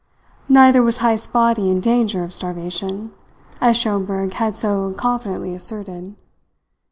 Neither was Heyst's body in danger of starvation, as Schomberg had so confidently asserted.